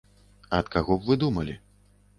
Ад каго б вы думалі?